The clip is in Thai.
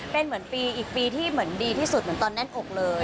เป็นเหมือนปีอีกปีที่เหมือนดีที่สุดเหมือนตอนแน่นอกเลย